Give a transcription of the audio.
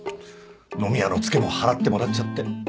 飲み屋の付けも払ってもらっちゃって。